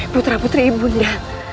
putra putri ibu unda